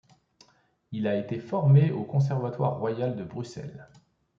Il a été formé au Conservatoire royal de Bruxelles.